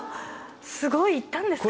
すごい行ったんですか？